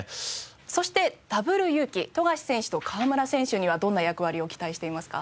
そしてＷユウキ富樫選手と河村選手にはどんな役割を期待していますか？